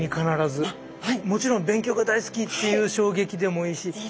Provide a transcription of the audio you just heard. もちろん勉強が大好きっていう衝撃でもいいしはい。